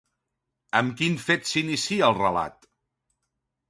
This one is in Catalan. Amb quin fet s'inicia el relat?